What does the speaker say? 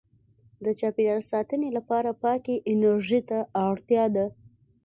• د چاپېریال ساتنې لپاره پاکې انرژۍ ته اړتیا ده.